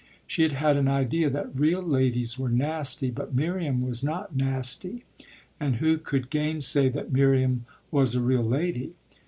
She had had an idea that real ladies were "nasty," but Miriam was not nasty, and who could gainsay that Miriam was a real lady?